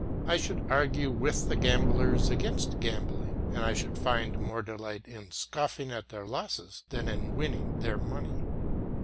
I should argue with the gamblers against gambling, and I should find more delight in scoffing at their losses than in winning their money.